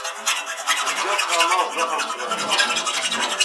Zgiɣ ttɣamaɣ zdaxel n ttberna.